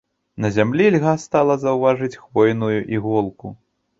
На зямлі льга стала заўважыць хвойную іголку.